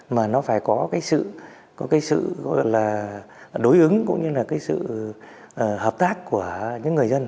mà nó phải có cái sự có cái sự gọi là đối ứng cũng như là cái sự hợp tác của những người dân